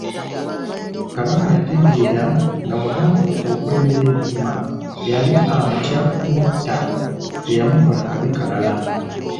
Kabaka yategeera nga mugandawe okulemera e Buvuma yali amutya kumutta, teyamukola kabi kalala.